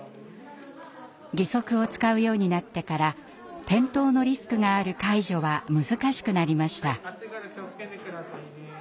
義足を使うようになってから転倒のリスクがある介助は難しくなりました。